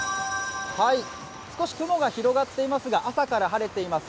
少し雲が広がっていますが朝から晴れています。